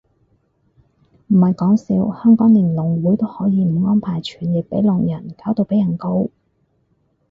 唔係講笑，香港連聾會都可以唔安排傳譯俾聾人，搞到被人告